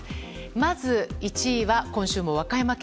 まず１位は、今週も和歌山県。